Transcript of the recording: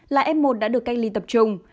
là f một đã được cách ly tập trung